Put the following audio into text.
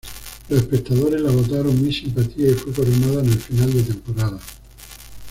Los espectadores la votaron Miss Simpatía, y fue coronada en el final de temporada.